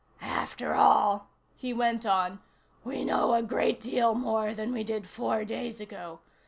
"After all," he went on, "we know a great deal more than we did four days ago.